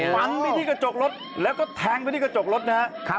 ฟันไปที่กระจกรถแล้วก็แทงไปที่กระจกรถนะครับ